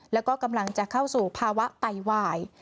แล้วก็กำลังจะเข้าสู่ภาวะไตวาย